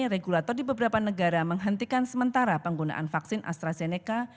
regulator di beberapa negara menghentikan sementara penggunaan vaksin astrazeneca